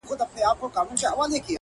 ستا پر ځنگانه اكثر ـ